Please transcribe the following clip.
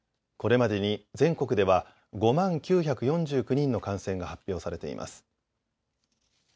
これまでに全国では５万９４９人の感染が発表されています。